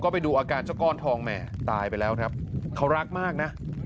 ไปดูอาการเจ้าก้อนทองแหม่ตายไปแล้วครับเขารักมากนะ